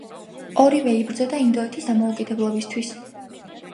ორივე იბრძოდა ინდოეთის დამოუკიდებლობისათვის.